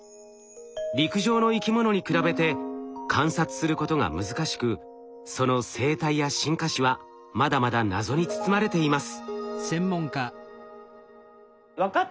陸上の生き物に比べて観察することが難しくその生態や進化史はまだまだ謎に包まれています。